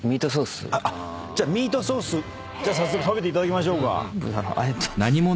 じゃあミートソース早速食べていただきましょうか。